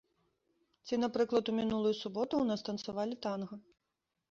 Ці, напрыклад, у мінулую суботу ў нас танцавалі танга.